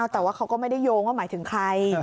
แต่ว่าเขาก็ไม่ได้โยงว่าหมายถึงใคร